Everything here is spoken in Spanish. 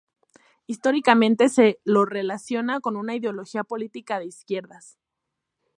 Históricamente se lo relaciona con una ideología política de izquierdas.